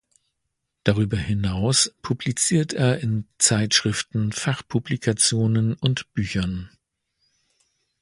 Darüber hinaus publiziert er in Zeitschriften, Fachpublikationen und Büchern.